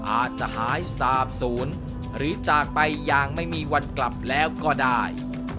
อาจจะหายสาบศูนย์หรือจากไปอย่างไม่มีวันกลับแล้วก็ได้